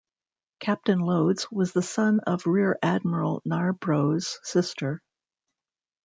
Captain Loades was the son of Rear Admiral Narbrough's sister.